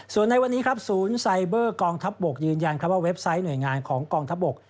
ส่วนในวันนี้ครับศูนย์ไซเบอร์กองทัพบกยืนยันว่าเว็บไซต์หน่วยงานของกองทัพบก